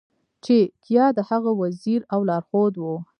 چാണکیا د هغه وزیر او لارښود و.